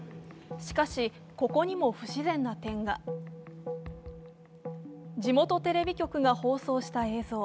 しかしここにも不自然な点が地元テレビ局が放送した映像。